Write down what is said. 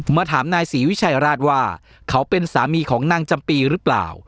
มาถามนายศรีวิชัยราชว่าเขาเป็นสามีของนางจำปีหรือเปล่า